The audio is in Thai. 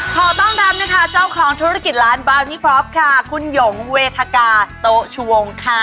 ขอต้อนรับนะคะเจ้าของธุรกิจร้านบาร์ดี้พล็อปค่ะคุณหยงเวทกาโต๊ะชุวงค่ะ